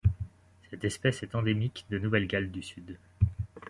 Cette espèce est endémique de Nouvelle-Galles du Sud.